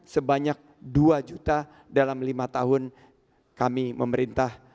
sebanyak dua juta dalam lima tahun kami memerintah